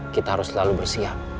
kita harus selalu bersiap